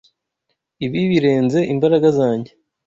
Ibi birenze imbaraga zanjye.